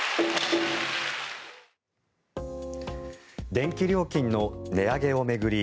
電気料金の値上げを巡り